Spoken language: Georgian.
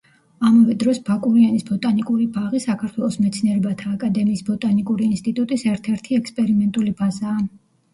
ამავე დროს ბაკურიანის ბოტანიკური ბაღი საქართველოს მეცნიერებათა აკადემიის ბოტანიკური ინსტიტუტის ერთ-ერთი ექსპერიმენტული ბაზაა.